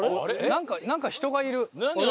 なんかなんか人がいる。